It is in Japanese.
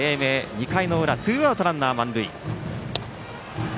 ２回の裏ツーアウト、ランナー満塁。